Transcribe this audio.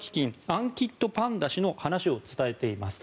アンキット・パンダ氏の話を伝えています。